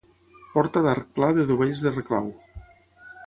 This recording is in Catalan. Porta d'arc pla de dovelles de reclau.